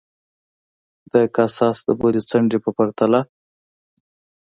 د کاساس د بلې څنډې په پرتله.